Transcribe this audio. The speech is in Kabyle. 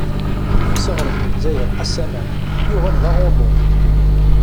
Amsiɣret n lezzayer "Qassaman" yuɣal d "Aɣurru".